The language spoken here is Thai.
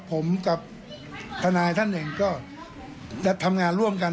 ผมกับทนายท่านหนึ่งก็จะทำงานร่วมกัน